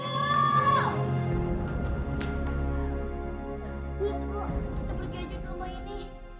ibu kita pergi aja dari rumah ini